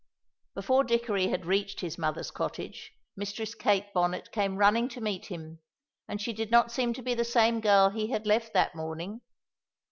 Before Dickory had reached his mother's cottage Mistress Kate Bonnet came running to meet him, and she did not seem to be the same girl he had left that morning.